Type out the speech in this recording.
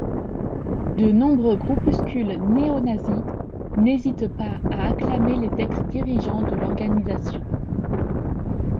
De nombreux groupuscules néo-nazis n'hésitent pas à acclamer les ex-dirigeants de l'organisation.